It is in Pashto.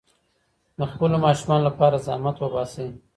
د خپلو ماشومانو لپاره زحمت وباسئ.